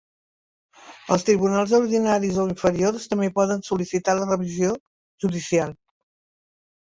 Els tribunals ordinaris o inferiors també poden sol·licitar la revisió judicial.